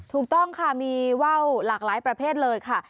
ถูกต้องค่ะมีว่าวหลากหลายประเภทเลยค่ะ